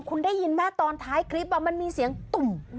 คุณได้ยินไหมตอนท้ายคลิปมันมีเสียงตุ่ม